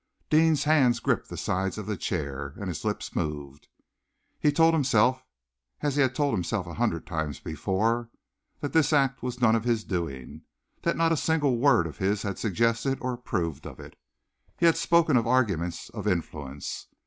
Deane's hands gripped the sides of the chair, and his lips moved. He told himself, as he had told himself a hundred times before, that this act was none of his doing, that not a single word of his had suggested or approved of it. He had spoken of arguments, of influence.